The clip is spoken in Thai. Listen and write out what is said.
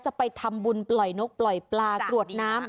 จะไปทำบุญปล่อยนกปล่อยปลากรวดน้ำ